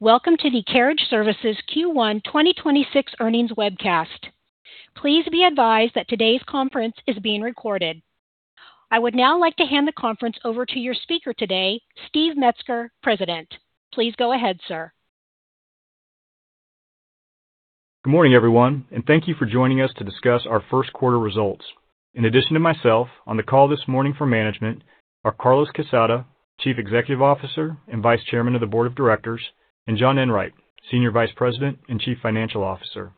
Welcome to the Carriage Services Q1 2026 earnings webcast. Please be advised that today's conference is being recorded. I would now like to hand the conference over to your speaker today, Steve Metzger, President. Please go ahead sir. Good morning, everyone, and thank you for joining us to discuss our first quarter results. In addition to myself, on the call this morning for management are Carlos R. Quezada, Chief Executive Officer and Vice Chairman of the Board of Directors, and John Enwright, Senior Vice President and Chief Financial Officer.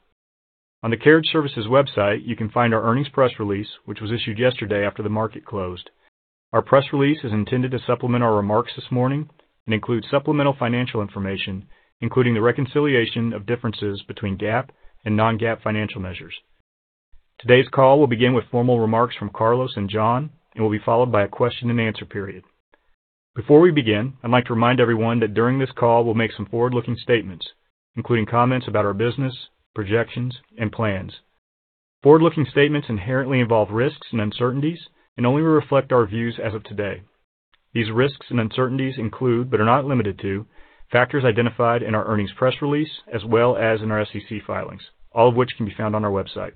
On the Carriage Services website, you can find our earnings press release, which was issued yesterday after the market closed. Our press release is intended to supplement our remarks this morning and includes supplemental financial information, including the reconciliation of differences between GAAP and non-GAAP financial measures. Today's call will begin with formal remarks from Carlos and John and will be followed by a question-and-answer period. Before we begin, I'd like to remind everyone that during this call we'll make some forward-looking statements, including comments about our business, projections, and plans. Forward-looking statements inherently involve risks and uncertainties and only reflect our views as of today. These risks and uncertainties include, but are not limited to, factors identified in our earnings press release as well as in our SEC filings, all of which can be found on our website.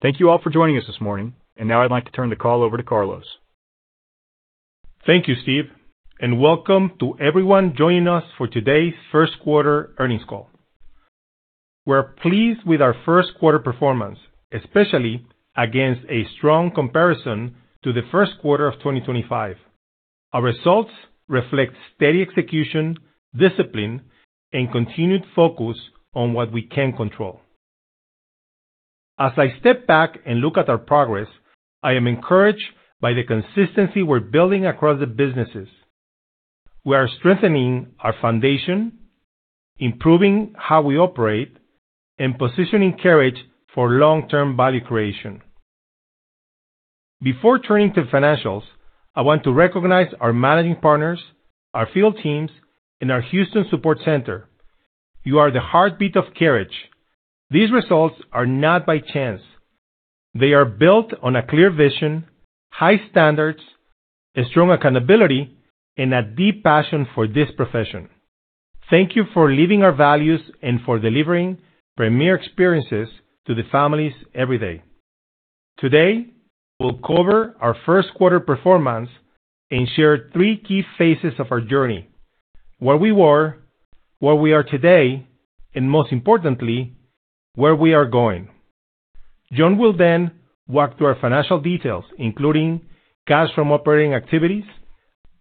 Thank you all for joining us this morning, now I'd like to turn the call over to Carlos. Thank you, Steve, and welcome to everyone joining us for today's first quarter earnings call. We're pleased with our first quarter performance, especially against a strong comparison to the first quarter of 2025. Our results reflect steady execution, discipline, and continued focus on what we can control. As I step back and look at our progress, I am encouraged by the consistency we're building across the businesses. We are strengthening our foundation, improving how we operate, and positioning Carriage for long-term value creation. Before turning to financials, I want to recognize our managing partners, our field teams, and our Houston Support Center. You are the heartbeat of Carriage. These results are not by chance. They are built on a clear vision, high standards, a strong accountability, and a deep passion for this profession. Thank you for living our values and for delivering premier experiences to the families every day. Today, we'll cover our first quarter performance and share three key phases of our journey, where we were, where we are today, and most importantly, where we are going. John will walk through our financial details, including cash from operating activities,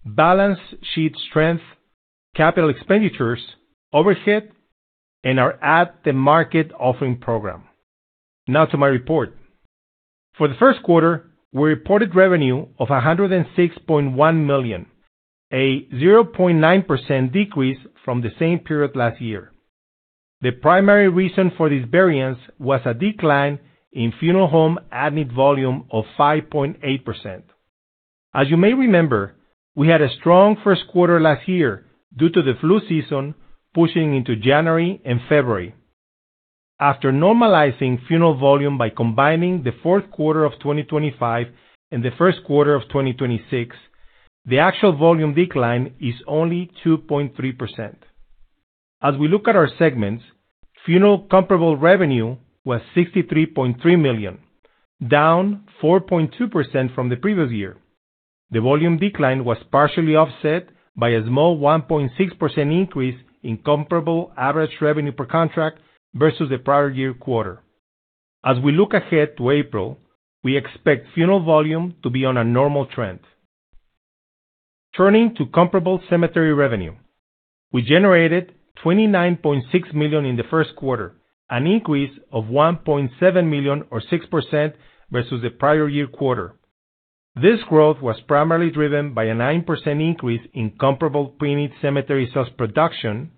balance sheet strength, capital expenditures, overhead, and our at-the-market offering program. Now to my report. For the first quarter, we reported revenue of $106.1 million, a 0.9% decrease from the same period last year. The primary reason for this variance was a decline in funeral home at-need volume of 5.8%. As you may remember, we had a strong first quarter last year due to the flu season pushing into January and February. After normalizing funeral volume by combining the fourth quarter of 2025 and the first quarter of 2026, the actual volume decline is only 2.3%. As we look at our segments, funeral comparable revenue was $63.3 million, down 4.2% from the previous year. The volume decline was partially offset by a small 1.6% increase in comparable average revenue per contract versus the prior year quarter. As we look ahead to April, we expect funeral volume to be on a normal trend. Turning to comparable cemetery revenue, we generated $29.6 million in the first quarter, an increase of $1.7 million or 6% versus the prior year quarter. This growth was primarily driven by a 9% increase in comparable pre-need cemetery sales production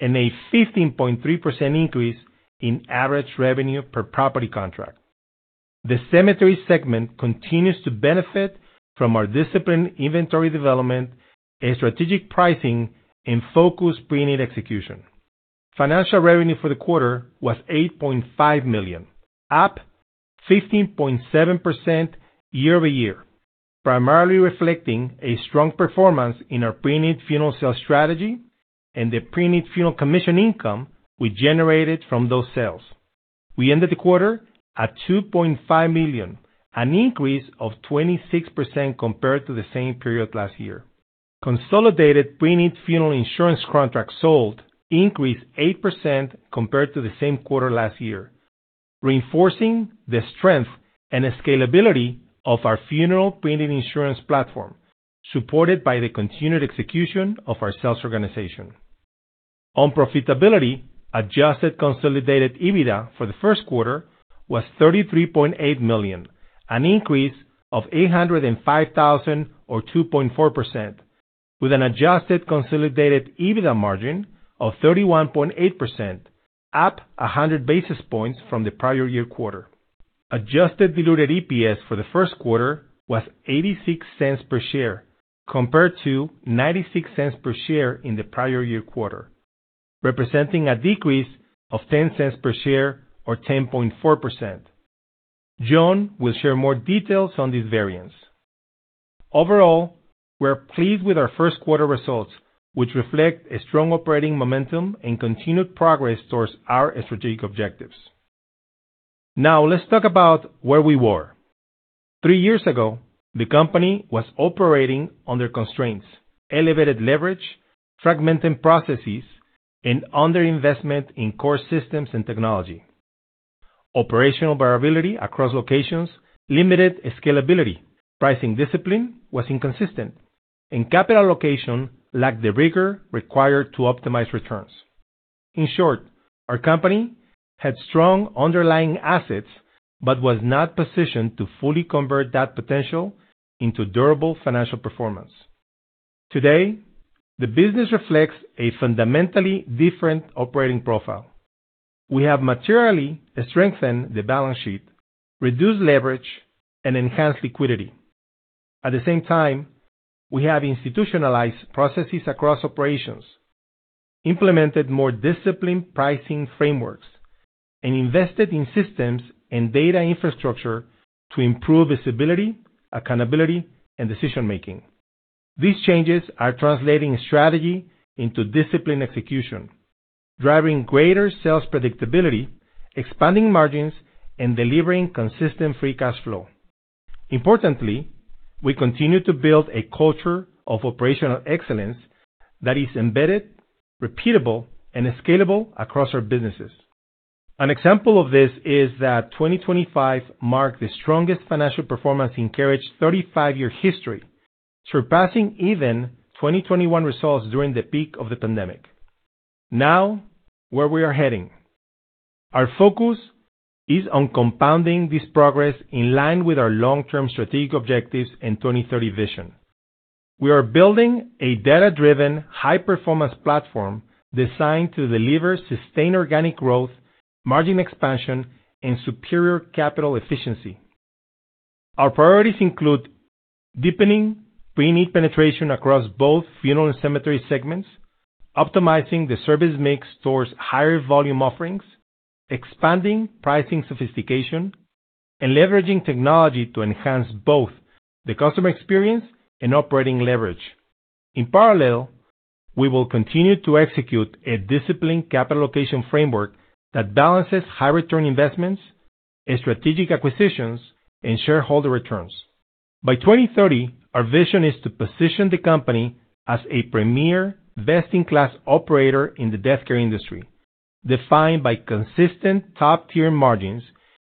and a 15.3% increase in average revenue per property contract. The cemetery segment continues to benefit from our disciplined inventory development and strategic pricing and focused pre-need execution. Financial revenue for the quarter was $8.5 million, up 15.7% year-over-year, primarily reflecting a strong performance in our pre-need funeral sales strategy and the pre-need funeral commission income we generated from those sales. We ended the quarter at $2.5 million, an increase of 26% compared to the same period last year. Consolidated pre-need funeral insurance contracts sold increased 8% compared to the same quarter last year, reinforcing the strength and scalability of our funeral pre-need insurance platform, supported by the continued execution of our sales organization. On profitability, adjusted consolidated EBITDA for the first quarter was $33.8 million, an increase of $805,000 or 2.4%, with an adjusted consolidated EBITDA margin of 31.8%, up 100 basis points from the prior year quarter. Adjusted diluted EPS for the first quarter was $0.86 per share compared to $0.96 per share in the prior year quarter, representing a decrease of $0.10 per share or 10.4%. John Enwright will share more details on these variances. Overall, we're pleased with our first quarter results, which reflect a strong operating momentum and continued progress towards our strategic objectives. Let's talk about where we were. Three years ago, the company was operating under constraints, elevated leverage, fragmented processes, and underinvestment in core systems and technology, operational variability across locations, limited scalability. Pricing discipline was inconsistent, and capital allocation lacked the rigor required to optimize returns. In short, our company had strong underlying assets but was not positioned to fully convert that potential into durable financial performance. Today, the business reflects a fundamentally different operating profile. We have materially strengthened the balance sheet, reduced leverage, and enhanced liquidity. At the same time, we have institutionalized processes across operations, implemented more disciplined pricing frameworks, and invested in systems and data infrastructure to improve visibility, accountability, and decision-making. These changes are translating strategy into disciplined execution, driving greater sales predictability, expanding margins, and delivering consistent free cash flow. Importantly, we continue to build a culture of operational excellence that is embedded, repeatable, and scalable across our businesses. An example of this is that 2025 marked the strongest financial performance in Carriage 35-year history, surpassing even 2021 results during the peak of the pandemic. Where we are heading. Our focus is on compounding this progress in line with our long-term strategic objectives and 2030 vision. We are building a data-driven, high-performance platform designed to deliver sustained organic growth, margin expansion, and superior capital efficiency. Our priorities include deepening pre-need penetration across both funeral and cemetery segments, optimizing the service mix towards higher volume offerings, expanding pricing sophistication, and leveraging technology to enhance both the customer experience and operating leverage. In parallel, we will continue to execute a disciplined capital allocation framework that balances high return investments and strategic acquisitions and shareholder returns. By 2030, our vision is to position the company as a premier best-in-class operator in the death care industry, defined by consistent top-tier margins,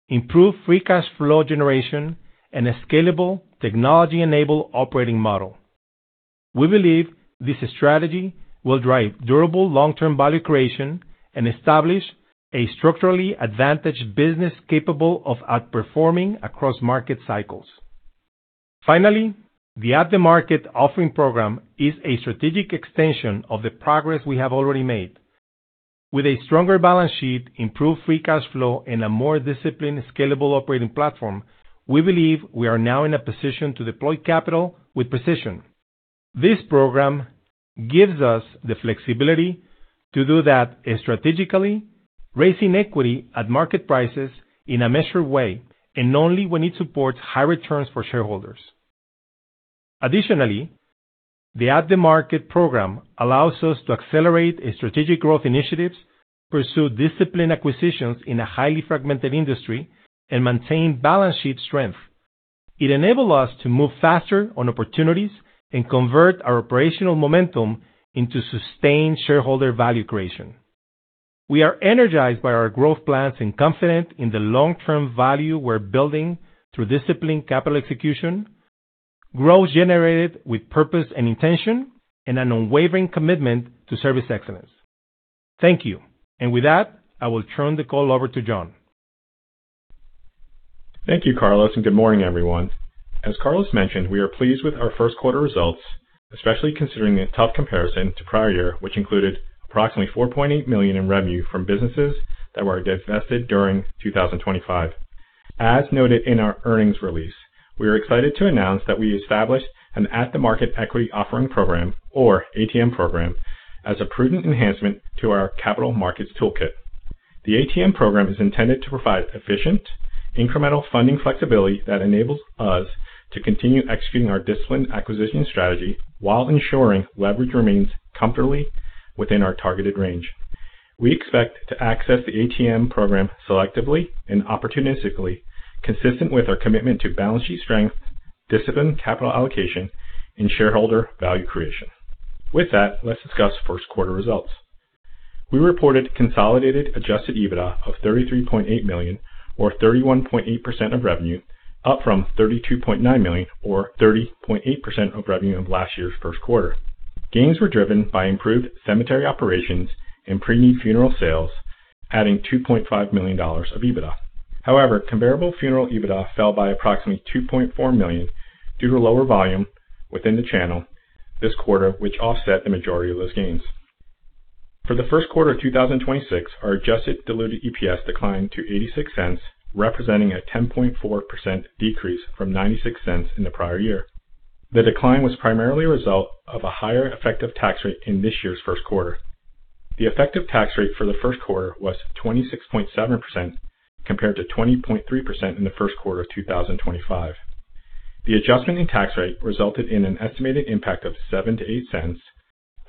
improved free cash flow generation, and a scalable technology-enabled operating model. We believe this strategy will drive durable long-term value creation and establish a structurally advantaged business capable of outperforming across market cycles. Finally, the at-the-market offering program is a strategic extension of the progress we have already made. With a stronger balance sheet, improved free cash flow, and a more disciplined, scalable operating platform, we believe we are now in a position to deploy capital with precision. This program gives us the flexibility to do that strategically, raising equity at market prices in a measured way and only when it supports high returns for shareholders. Additionally, the at-the-market program allows us to accelerate strategic growth initiatives, pursue disciplined acquisitions in a highly fragmented industry, and maintain balance sheet strength. It enable us to move faster on opportunities and convert our operational momentum into sustained shareholder value creation. We are energized by our growth plans and confident in the long-term value we're building through disciplined capital execution, growth generated with purpose and intention, and an unwavering commitment to service excellence. Thank you. With that, I will turn the call over to John. Thank you, Carlos, and good morning, everyone. As Carlos mentioned, we are pleased with our first quarter results, especially considering the tough comparison to prior year, which included approximately $4.8 million in revenue from businesses that were divested during 2025. As noted in our earnings release, we are excited to announce that we established an at-the-market equity offering program or ATM program as a prudent enhancement to our capital markets toolkit. The ATM program is intended to provide efficient, incremental funding flexibility that enables us to continue executing our disciplined acquisition strategy while ensuring leverage remains comfortably within our targeted range. We expect to access the ATM program selectively and opportunistically, consistent with our commitment to balance sheet strength, disciplined capital allocation, and shareholder value creation. With that, let's discuss first quarter results. We reported consolidated adjusted EBITDA of $33.8 million or 31.8% of revenue, up from $32.9 million or 30.8% of revenue of last year's first quarter. Gains were driven by improved cemetery operations and pre-need funeral sales, adding $2.5 million of EBITDA. Comparable funeral EBITDA fell by approximately $2.4 million due to lower volume within the channel this quarter, which offset the majority of those gains. For the first quarter of 2026, our adjusted diluted EPS declined to $0.86, representing a 10.4% decrease from $0.96 in the prior year. The decline was primarily a result of a higher effective tax rate in this year's first quarter. The effective tax rate for the first quarter was 26.7%, compared to 20.3% in the first quarter of 2025. The adjustment in tax rate resulted in an estimated impact of $0.07-$0.08,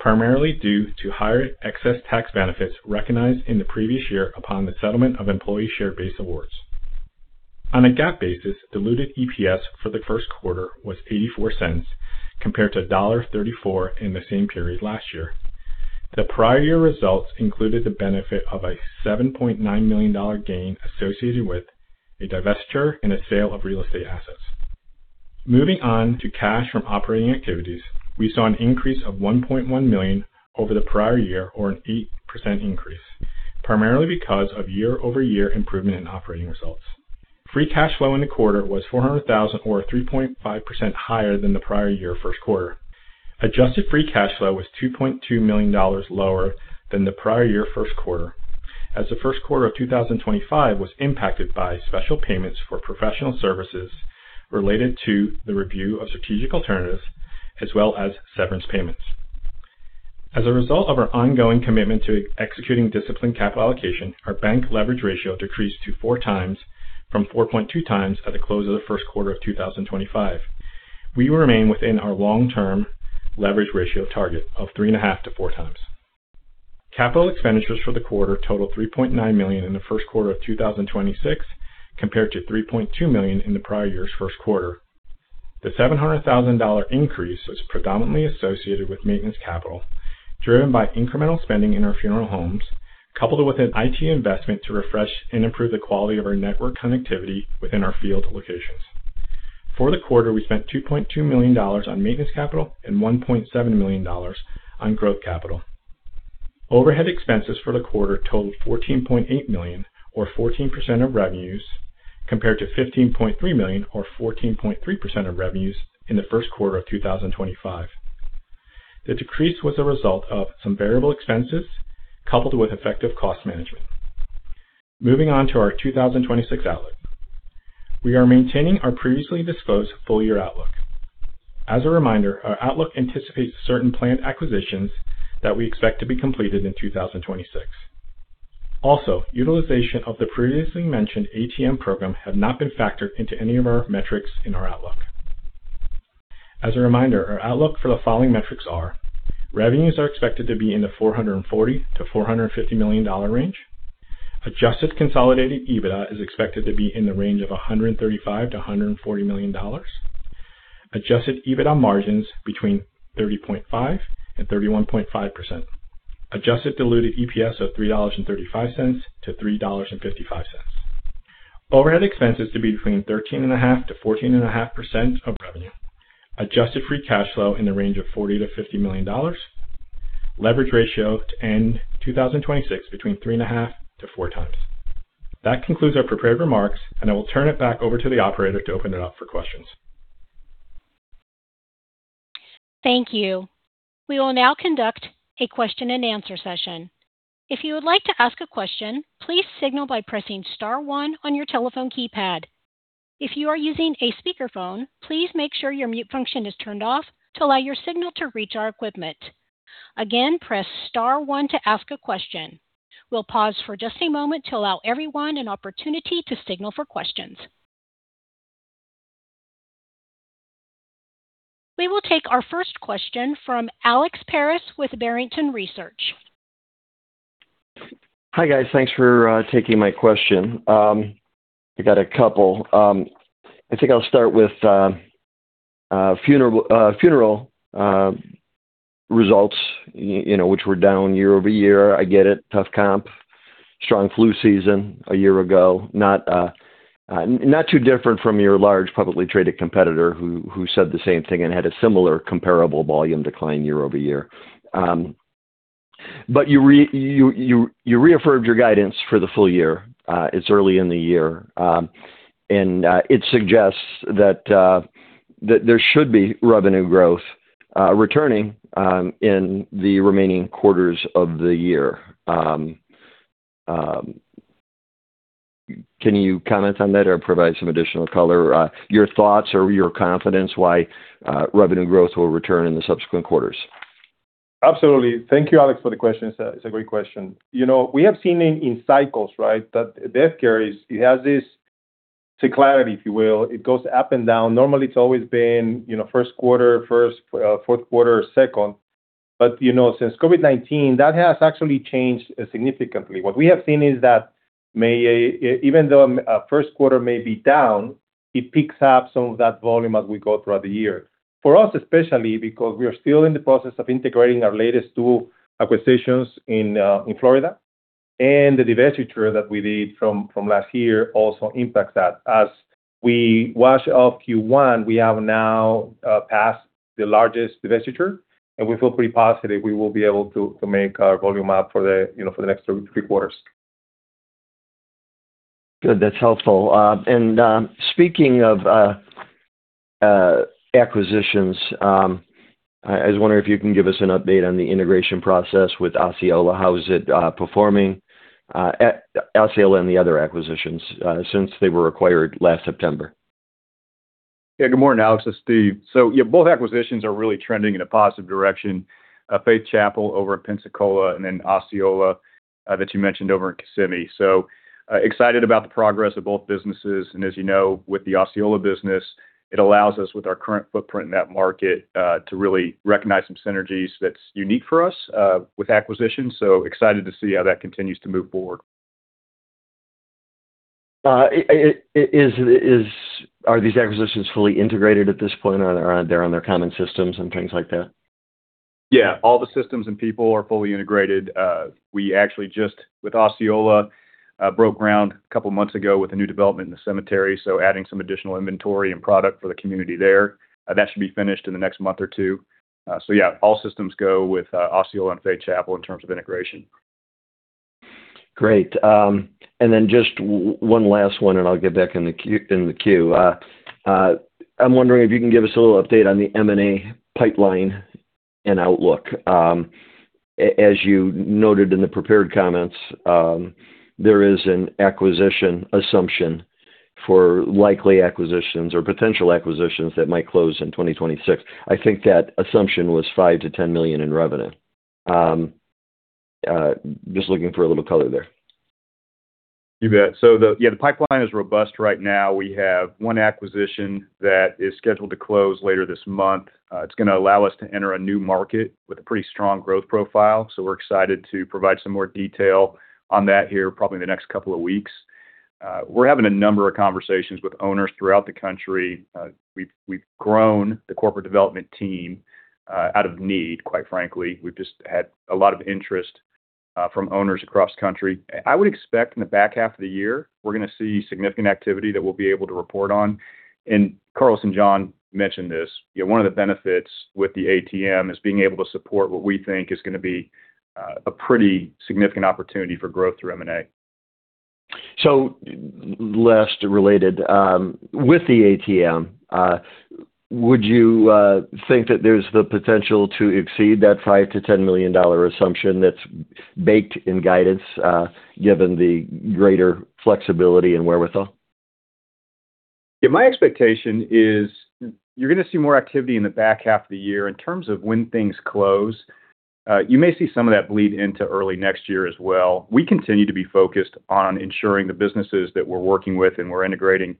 primarily due to higher excess tax benefits recognized in the previous year upon the settlement of employee share-based awards. On a GAAP basis, diluted EPS for the first quarter was $0.84, compared to $1.34 in the same period last year. The prior year results included the benefit of a $7.9 million gain associated with a divestiture in a sale of real estate assets. Moving on to cash from operating activities, we saw an increase of $1.1 million over the prior year or an 8% increase, primarily because of year-over-year improvement in operating results. Free cash flow in the quarter was $400,000 or 3.5% higher than the prior year first quarter. Adjusted free cash flow was $2.2 million lower than the prior year first quarter, as the first quarter of 2025 was impacted by special payments for professional services related to the review of strategic alternatives, as well as severance payments. As a result of our ongoing commitment to executing disciplined capital allocation, our bank leverage ratio decreased to 4 times from 4.2 times at the close of the first quarter of 2025. We remain within our long-term leverage ratio target of 3.5 times-4 times. Capital expenditures for the quarter totaled $3.9 million in the first quarter of 2026, compared to $3.2 million in the prior year's first quarter. The $700,000 increase was predominantly associated with maintenance capital, driven by incremental spending in our funeral homes, coupled with an IT investment to refresh and improve the quality of our network connectivity within our field locations. For the quarter, we spent $2.2 million on maintenance capital and $1.7 million on growth capital. Overhead expenses for the quarter totaled $14.8 million or 14% of revenues, compared to $15.3 million or 14.3% of revenues in the first quarter of 2025. The decrease was a result of some variable expenses coupled with effective cost management. Moving on to our 2026 outlook. We are maintaining our previously disclosed full-year outlook. As a reminder, our outlook anticipates certain planned acquisitions that we expect to be completed in 2026. Also, utilization of the previously mentioned ATM program have not been factored into any of our metrics in our outlook. As a reminder, our outlook for the following metrics are: revenues are expected to be in the $440 million-$450 million range. Adjusted consolidated EBITDA is expected to be in the range of $135 million-$140 million. Adjusted EBITDA margins between 30.5% and 31.5%. Adjusted diluted EPS of $3.35-$3.55. Overhead expenses to be between 13.5%-14.5% of revenue. Adjusted free cash flow in the range of $40 million-$50 million. Leverage ratio to end 2026 between 3.5 times-4 times. That concludes our prepared remarks, and I will turn it back over to the operator to open it up for questions. Thank you. We will now conduct a question-and-answer session. If you would like to ask a question, please signal by pressing star one on your telephone keypad. If you are using a speakerphone, please make sure your mute function is turned off to allow your signal to reach our equipment. Again, press star one to ask a question. We'll pause for just a moment to allow everyone an opportunity to signal for questions. We will take our first question from Alex Paris with Barrington Research. Hi, guys. Thanks for taking my question. I got a couple. I think I'll start with funeral results, you know, which were down year-over-year. I get it. Tough comp. Strong flu season a year ago. Not too different from your large publicly traded competitor who said the same thing and had a similar comparable volume decline year-over-year. You reaffirmed your guidance for the full year. It's early in the year. It suggests that there should be revenue growth returning in the remaining quarters of the year. Can you comment on that or provide some additional color? Your thoughts or your confidence why revenue growth will return in the subsequent quarters? Absolutely. Thank you, Alex, for the question. It's a great question. You know, we have seen in cycles, right? That death care, it has this seasonality, if you will. It goes up and down. Normally, it's always been, you know, first quarter, first, fourth quarter, second. You know, since COVID-19, that has actually changed significantly. What we have seen is that may, even though, first quarter may be down, it picks up some of that volume as we go throughout the year. For us, especially because we are still in the process of integrating our latest two acquisitions in Florida, and the divestiture that we did from last year also impacts that. As we wash off Q1, we have now passed the largest divestiture, and we feel pretty positive we will be able to make our volume up for the, you know, for the next three quarters. Good. That's helpful. Speaking of acquisitions, I was wondering if you can give us an update on the integration process with Osceola. How is it performing? Osceola and the other acquisitions since they were acquired last September. Yeah. Good morning, Alex. It's Steve. Yeah, both acquisitions are really trending in a positive direction. Faith Chapel over at Pensacola, and then Osceola that you mentioned over in Kissimmee. Excited about the progress of both businesses. As you know, with the Osceola business, it allows us, with our current footprint in that market, to really recognize some synergies that's unique for us with acquisitions. Excited to see how that continues to move forward. Are these acquisitions fully integrated at this point? Are they on their common systems and things like that? Yeah. All the systems and people are fully integrated. We actually just, with Osceola, broke ground two months ago with a new development in the cemetery, so adding some additional inventory and product for the community there. That should be finished in the next one or two months. All systems go with Osceola and Faith Chapel in terms of integration. Great. Then just one last one, and I'll get back in the queue. I'm wondering if you can give us a little update on the M&A pipeline and outlook. As you noted in the prepared comments, there is an acquisition assumption for likely acquisitions or potential acquisitions that might close in 2026. I think that assumption was $5 million-$10 million in revenue. Just looking for a little color there. You bet. The, yeah, the pipeline is robust right now. We have one acquisition that is scheduled to close later this month. It's gonna allow us to enter a new market with a pretty strong growth profile. We're excited to provide some more detail on that here probably in the next couple of weeks. We're having a number of conversations with owners throughout the country. We've grown the corporate development team out of need, quite frankly. We've just had a lot of interest from owners across country. I would expect in the back half of the year, we're gonna see significant activity that we'll be able to report on. Carlos, John mentioned this, you know, one of the benefits with the ATM is being able to support what we think is going to be a pretty significant opportunity for growth through M&A. Last related, with the ATM, would you think that there's the potential to exceed that $5 million-$10 million assumption that's baked in guidance, given the greater flexibility and wherewithal? Yeah, my expectation is you're going to see more activity in the back half of the year. In terms of when things close, you may see some of that bleed into early next year as well. We continue to be focused on ensuring the businesses that we're working with and we're integrating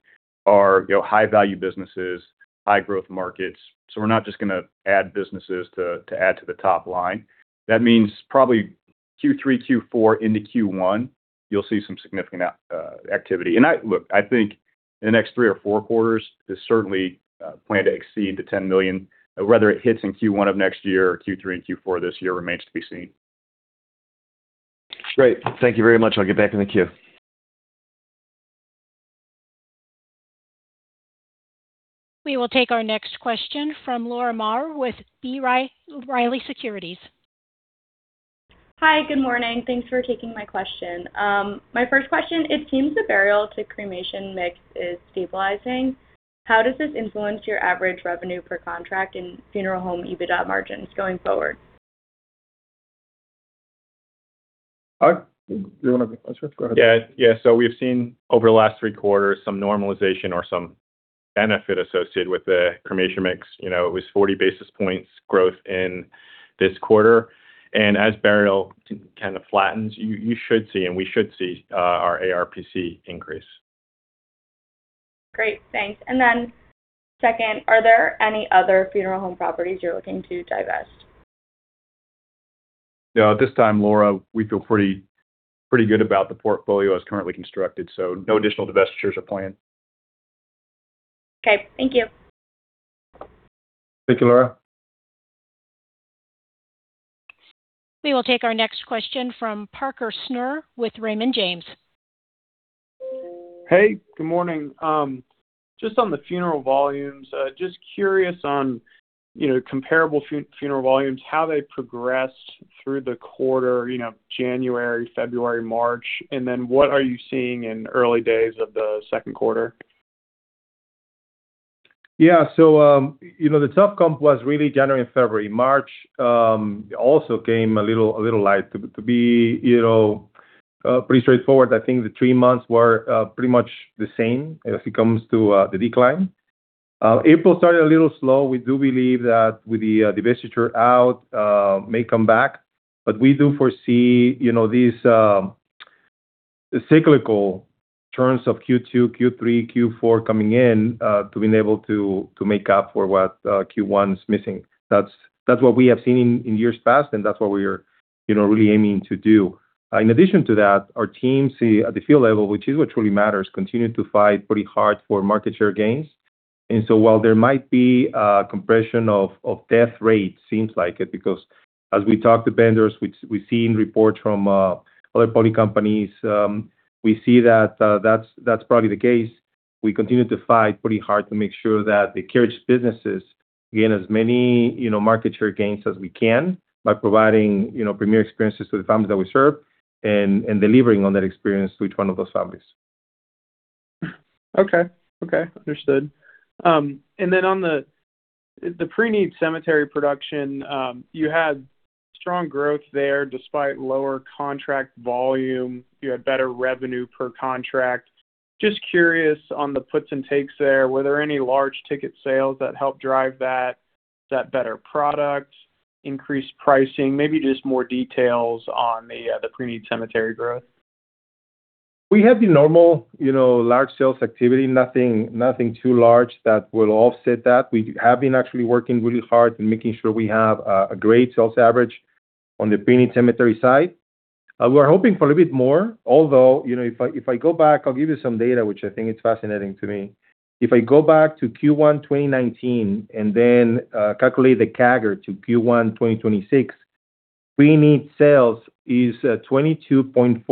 are, you know, high-value businesses, high-growth markets. We're not just going to add businesses to add to the top line. That means probably Q3, Q4 into Q1, you'll see some significant activity. Look, I think in the next three or four quarters, this certainly plan to exceed the $10 million. Whether it hits in Q1 of next year or Q3 and Q4 this year remains to be seen. Great. Thank you very much. I'll get back in the queue. We will take our next question from Laura Maher with B. Riley Securities. Hi. Good morning. Thanks for taking my question. My first question, it seems the burial to cremation mix is stabilizing. How does this influence your average revenue per contract in funeral home EBITDA margins going forward? Do you wanna answer? Go ahead. Yeah. Yeah. We've seen over the last three quarters some normalization or some benefit associated with the cremation mix. You know, it was 40 basis points growth in this quarter. As burial kind of flattens, you should see and we should see our ARPC increase. Great. Thanks. Second, are there any other funeral home properties you're looking to divest? Yeah. At this time, Laura Maher, we feel pretty good about the portfolio as currently constructed. No additional divestitures are planned. Okay, thank you. Thank you, Laura. We will take our next question from Parker Snurr with Raymond James. Hey, good morning. Just on the funeral volumes, just curious on, you know, comparable funeral volumes, how they progress through the quarter, you know, January, February, March. What are you seeing in early days of the second quarter? Yeah. You know, the tough comp was really January and February. March also came a little light. To be, you know, pretty straightforward, I think the three months were pretty much the same as it comes to the decline. April started a little slow. We do believe that with the divestiture out, may come back. We do foresee, you know, these cyclical turns of Q2, Q3, Q4 coming in to being able to make up for what Q1 is missing. That's what we have seen in years past, and that's what we're, you know, really aiming to do. In addition to that, our teams see at the field level, which is what truly matters, continue to fight pretty hard for market share gains. While there might be a compression of death rates, seems like it, because as we talk to vendors, we've seen reports from other public companies, we see that that's probably the case. We continue to fight pretty hard to make sure that the Carriage businesses gain as many, you know, market share gains as we can by providing, you know, premier experiences to the families that we serve and delivering on that experience to each one of those families. Okay. Okay. Understood. On the pre-need cemetery production, you had strong growth there despite lower contract volume. You had better revenue per contract. Just curious on the puts and takes there, were there any large ticket sales that helped drive that better product, increased pricing? Maybe just more details on the pre-need cemetery growth. We have the normal, you know, large sales activity, nothing too large that will offset that. We have been actually working really hard in making sure we have a great sales average on the pre-need cemetery side. We're hoping for a little bit more, although, you know, if I go back, I'll give you some data, which I think is fascinating to me. If I go back to Q1 2019 and then calculate the CAGR to Q1 2026, pre-need sales is at 22.4%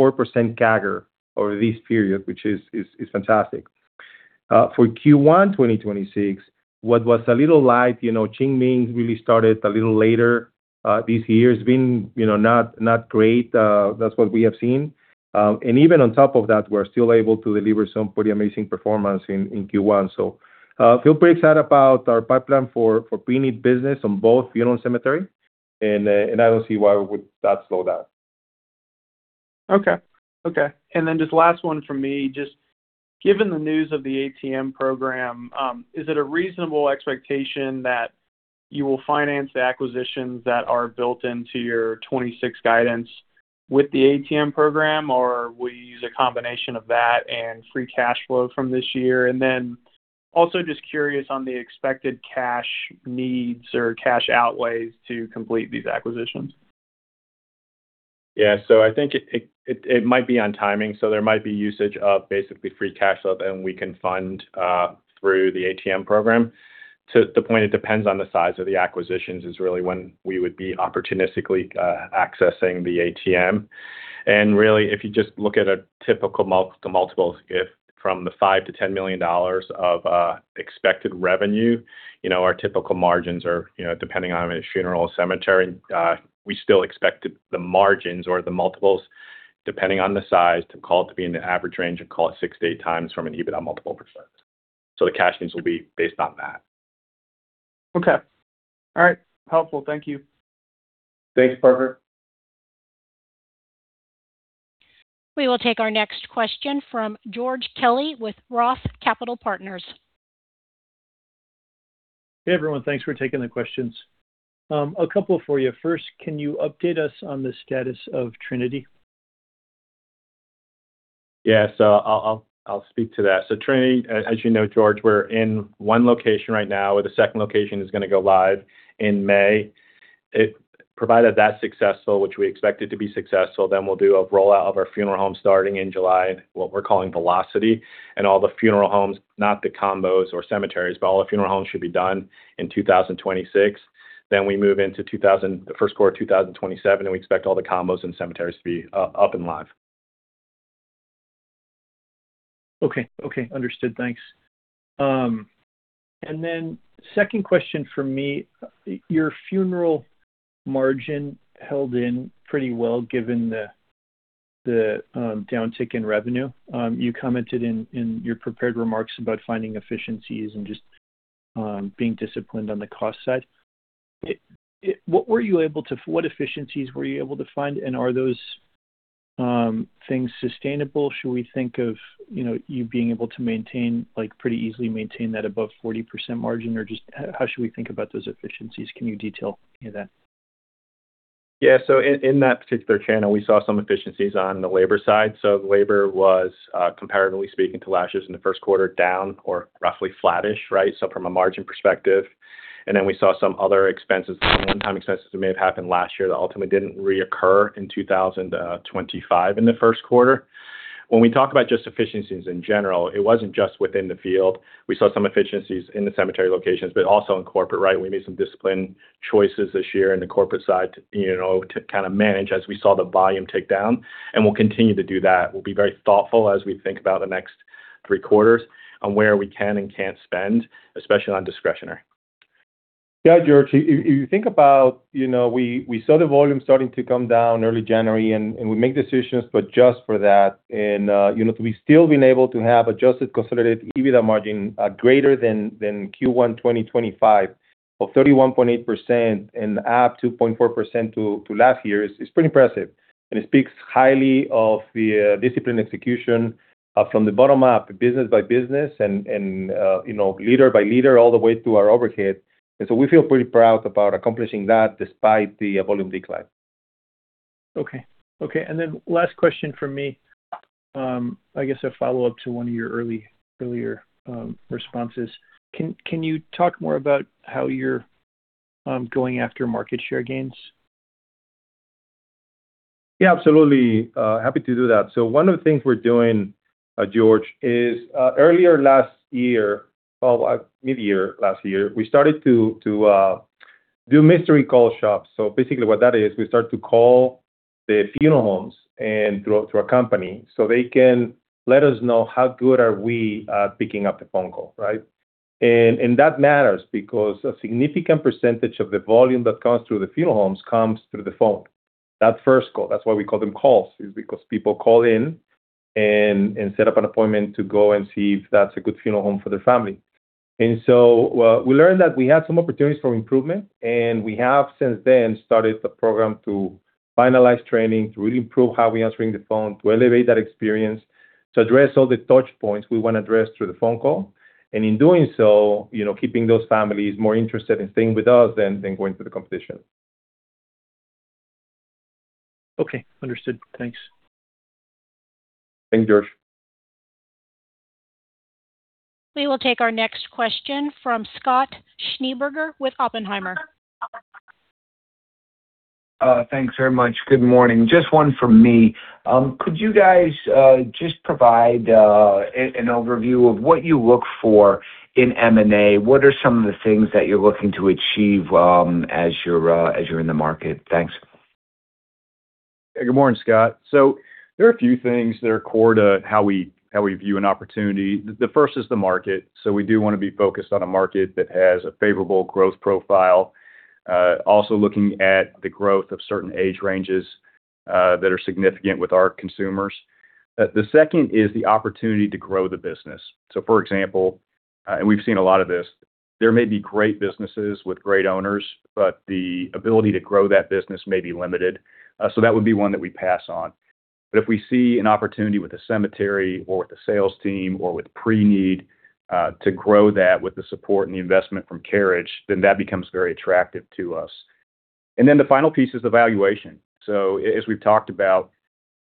CAGR over this period, which is fantastic. For Q1 2026, what was a little light, you know, Qingming really started a little later this year. It's been, you know, not great. That's what we have seen. Even on top of that, we're still able to deliver some pretty amazing performance in Q1. Feel pretty excited about our pipeline for pre-need business on both funeral and cemetery. I don't see why would that slow down. Okay. Okay. Just last one from me. Just given the news of the ATM program, is it a reasonable expectation that you will finance the acquisitions that are built into your 2026 guidance with the ATM program? Or will you use a combination of that and free cash flow from this year? Also just curious on the expected cash needs or cash outlays to complete these acquisitions. Yeah. I think it might be on timing, so there might be usage of basically free cash flow that we can fund through the ATM program. To the point it depends on the size of the acquisitions is really when we would be opportunistically accessing the ATM. Really, if you just look at a typical the multiples, if from the $5 million-$10 million of expected revenue, you know, our typical margins are, you know, depending on if it's funeral or cemetery, we still expect the margins or the multiples, depending on the size, to call it to be in the average range and call it six times-eight times from an EBITDA multiple percent. The cash needs will be based on that. Okay. All right. Helpful. Thank you. Thanks, Parker. We will take our next question from George Kelly with ROTH Capital Partners. Hey, everyone. Thanks for taking the questions. A couple for you. First, can you update us on the status of Trinity? Yeah. I'll speak to that. Trinity, as you know, George, we're in one location right now, where the second location is going to go live in May. Provided that is successful, which we expect it to be successful, we will do a rollout of our funeral home starting in July, what we're calling Velocity. All the funeral homes, not the combos or cemeteries, but all the funeral homes should be done in 2026. We move into the first quarter of 2027, and we expect all the combos and cemeteries to be up and live. Okay. Okay. Understood. Thanks. Second question from me. Your funeral margin held in pretty well given the downtick in revenue. You commented in your prepared remarks about finding efficiencies and just being disciplined on the cost side. What efficiencies were you able to find, and are those things sustainable? Should we think of, you know, you being able to maintain, like, pretty easily maintain that above 40% margin? Or just how should we think about those efficiencies? Can you detail any of that? Yeah. In, in that particular channel, we saw some efficiencies on the labor side. Labor was comparatively speaking to last year's in the first quarter, down or roughly flattish, right? From a margin perspective. We saw some other expenses, some one-time expenses that may have happened last year that ultimately didn't reoccur in 2025 in the first quarter. When we talk about just efficiencies in general, it wasn't just within the field. We saw some efficiencies in the cemetery locations, but also in corporate, right? We made some disciplined choices this year in the corporate side to, you know, to kind of manage as we saw the volume tick down, and we'll continue to do that. We'll be very thoughtful as we think about the next three quarters on where we can and can't spend, especially on discretionary. Yeah, George. If you think about, you know, we saw the volume starting to come down early January and we make decisions, but just for that, you know, we've still been able to have adjusted consolidated EBITDA margin greater than Q1 2025 of 31.8% and up 2.4% to last year is pretty impressive. It speaks highly of the disciplined execution from the bottom up, business by business and, you know, leader by leader all the way through our overhead. We feel pretty proud about accomplishing that despite the volume decline. Okay. Okay. Last question from me, I guess a follow-up to one of your earlier responses. Can you talk more about how you're going after market share gains? Absolutely. Happy to do that. One of the things we're doing, George, is earlier last year, well, mid-year last year, we started to do mystery call shops. Basically what that is, we start to call the funeral homes and through our company, so they can let us know how good are we at picking up the phone call, right? That matters because a significant percentage of the volume that comes through the funeral homes comes through the phone. That first call, that's why we call them calls, is because people call in, set up an appointment to go and see if that's a good funeral home for their family. We learned that we had some opportunities for improvement, and we have since then started the program to finalize training, to really improve how we answering the phone, to elevate that experience, to address all the touch points we wanna address through the phone call. In doing so, you know, keeping those families more interested in staying with us than going to the competition. Okay. Understood. Thanks. Thanks, George. We will take our next question from Scott Schneeberger with Oppenheimer. Thanks very much. Good morning. Just one from me. Could you guys just provide an overview of what you look for in M&A? What are some of the things that you're looking to achieve as you're in the market? Thanks. Good morning, Scott. There are a few things that are core to how we view an opportunity. The first is the market. We do wanna be focused on a market that has a favorable growth profile. Also looking at the growth of certain age ranges that are significant with our consumers. The second is the opportunity to grow the business. For example, and we've seen a lot of this, there may be great businesses with great owners, but the ability to grow that business may be limited. That would be one that we pass on. If we see an opportunity with a cemetery or with the sales team or with pre-need, to grow that with the support and the investment from Carriage, that becomes very attractive to us. The final piece is the valuation. As we've talked about,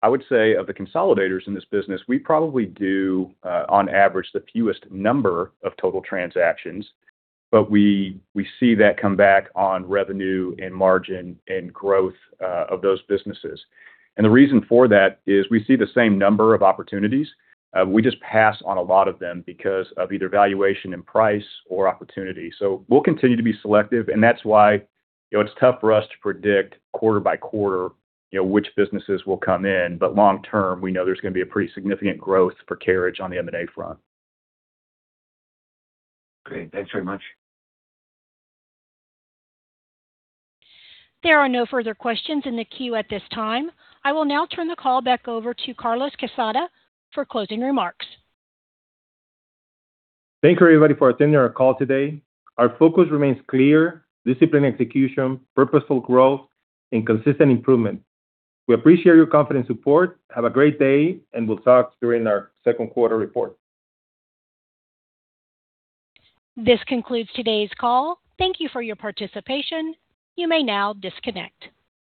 I would say, of the consolidators in this business, we probably do, on average, the fewest number of total transactions, but we see that come back on revenue and margin and growth of those businesses. The reason for that is we see the same number of opportunities, we just pass on a lot of them because of either valuation and price or opportunity. We'll continue to be selective, and that's why, you know, it's tough for us to predict quarter by quarter, you know, which businesses will come in, but long term, we know there's gonna be a pretty significant growth for Carriage on the M&A front. Great. Thanks very much. There are no further questions in the queue at this time. I will now turn the call back over to Carlos R. Quezada for closing remarks. Thank you, everybody, for attending our call today. Our focus remains clear: disciplined execution, purposeful growth, and consistent improvement. We appreciate your confidence support. Have a great day, and we'll talk during our second quarter report. This concludes today's call. Thank you for your participation. You may now disconnect.